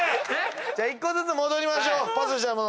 じゃあ１個ずつ戻りましょうパスしたもの。